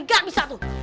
gak bisa tuh